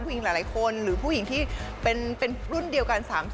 ผู้หญิงหลายคนหรือผู้หญิงที่เป็นรุ่นเดียวกัน๓๐